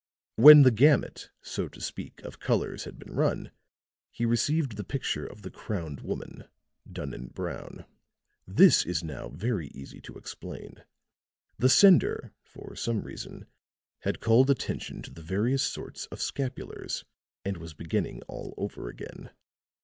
When the gamut, so to speak, of colors had been run, he received the picture of the crowned woman, done in brown. This is now very easy to explain. The sender for some reason had called attention to the various sorts of scapulars and was beginning all over again.